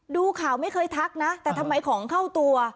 ดูข่าวไม่เคยทักนะแต่ทำไมของเข้าตัว